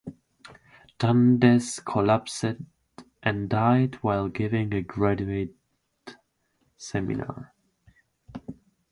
Dundes collapsed and died while giving a graduate seminar.